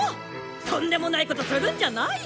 とんでもないことするんじゃないよ！